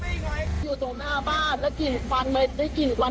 อยู่ตรงหน้าบ้านแล้วกินกวัน